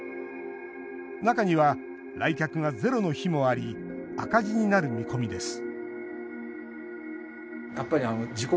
中には来客がゼロの日もあり赤字になる見込みです